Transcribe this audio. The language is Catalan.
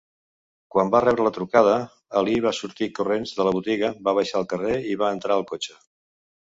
Quan va rebre la trucada, Ali va sortir corrents de la botiga, va baixar al carrer i va entrar al cotxe.